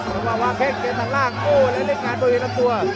สำหรับวาเผ็ดเป็นทางล่างโอ้และเรียกงานบริเวณลับตัว